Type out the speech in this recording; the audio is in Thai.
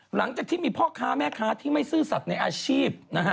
หลังจากที่มีพ่อค้าแม่ค้าที่ไม่ซื่อสัตว์ในอาชีพนะฮะ